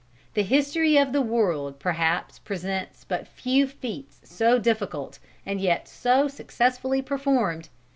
The history of the world perhaps presents but few feats so difficult, and yet so successfully performed.